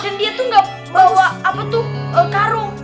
dan dia tuh gak bawa apa tuh karung